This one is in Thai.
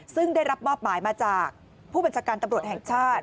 ซึ่งได้รับมอบหมายมาจากผู้บัญชาการตำรวจแห่งชาติ